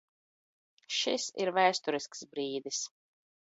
Šis ir vēsturisks brīdis!